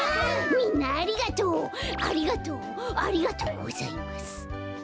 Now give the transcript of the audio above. みんなありがとうありがとうありがとうございます。